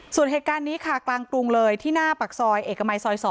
ส่วนเหตุการณ์นี้ค่ะกลางกรุงเลยที่หน้าปากซอยเอกมัยซอย๒